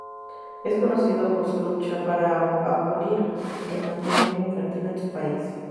Es conocida por su lucha para abolir el matrimonio infantil en su país.